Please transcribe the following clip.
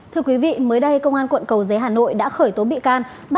thưa quý vị mới đây công an quận cầu giấy hà nội đã khởi tố bị can